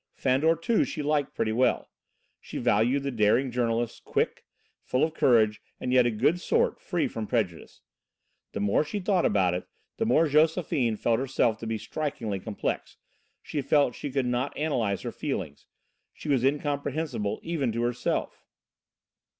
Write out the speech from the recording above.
Fandor, too, she liked pretty well. She valued the daring journalist, quick, full of courage, and yet a good sort, free from prejudice. The more she thought about it, the more Josephine felt herself to be strikingly complex: she felt that she could not analyse her feelings, she was incomprehensible even to herself.